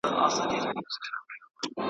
په ماښام وو په هګیو نازولی .